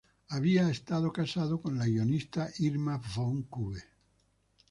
Había estado casado con la guionista Irma von Cube.